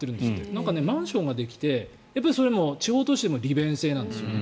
なんかマンションができてそれも地方都市でも利便性なんですよね。